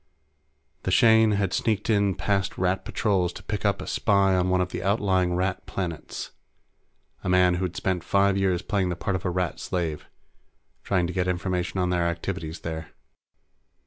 The Shane had sneaked in past Rat patrols to pick up a spy on one of the outlying Rat planets, a man who'd spent five years playing the part of a Rat slave, trying to get information on their activities there.